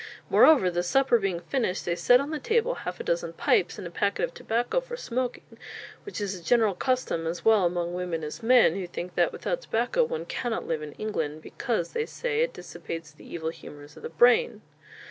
Moreover, the supper being finished, they set on the table half a dozen pipes, and a packet of tobacco, for smoking, which is a general custom as well among women as men, who think that without tobacco one cannot live in England, because, say they, it dissipates the evil humours of the brain."